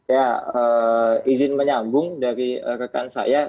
ya izin menyambung dari rekan saya